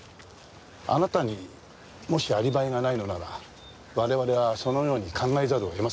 あなたにもしアリバイがないのなら我々はそのように考えざるを得ませんが。